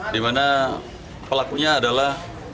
di mana pelakunya adalah